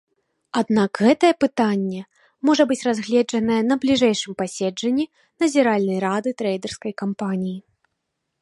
Аднак гэтае пытанне можа быць разгледжанае на бліжэйшым паседжанні назіральнай рады трэйдэрскай кампаніі.